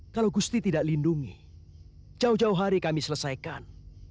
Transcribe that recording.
kalau gusti tidak lindungi jauh jauh hari kami selesaikan